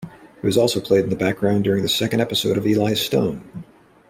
It was also played in the background during the second episode of Eli Stone.